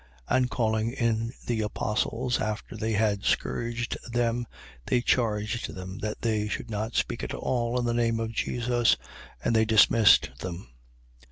5:40. And calling in the apostles, after they had scourged them, they charged them that they should not speak at all in the name of Jesus. And they dismissed them.